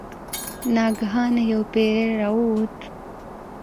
ناګهانه یو پیری راووت.